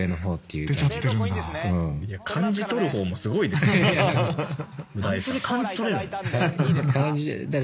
いいですか？